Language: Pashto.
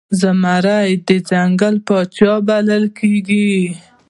زمری د ځنګل پاچا بلل کېږي.